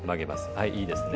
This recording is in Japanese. はいいいですね。